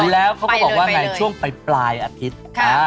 แล้วเขาก็บอกว่าไงช่วงปลายอาทิตย์